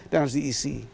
dan harus diisi